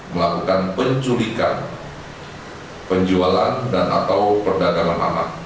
melakukan penculikan penjualan dan atau perdagangan anak